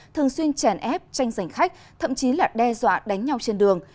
thường xuyên chèn ép tranh giành khách thậm chí là đe dọa đánh nhau trên đường